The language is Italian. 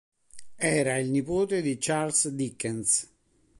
Era il nipote di Charles Dickens.